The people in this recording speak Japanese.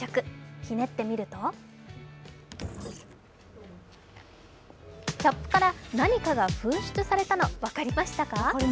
ひねってみるとキャップから何かが噴出されたの分かりました？